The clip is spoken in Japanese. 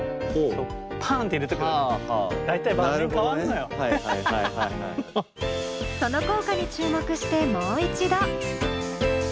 その効果に注目してもう一度。